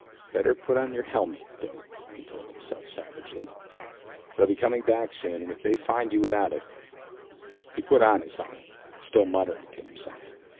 "Better put on your helmet, dope," he told himself savagely. "They'll be coming back soon, and if they find you without it " He put on his helmet, still muttering to himself.